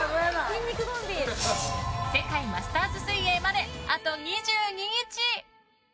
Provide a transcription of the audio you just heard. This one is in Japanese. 世界マスターズ水泳まであと２２日！